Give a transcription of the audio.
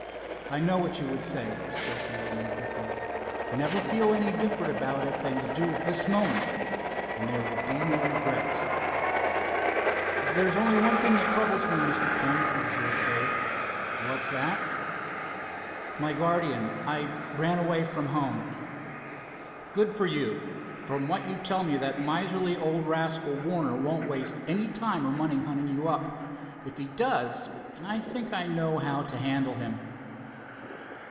"I know what you would say," spoke the airman quickly. "Never feel any different about it than you do at this moment, and there will be no regrets." "There's only one thing troubles me, Mr. King," observed Dave. "What's that?" "My guardian. I ran away from home." "Good for you. From what you tell me, that miserly old rascal, Warner, won't waste any time or money hunting you up. If he does, I think I know how to handle him."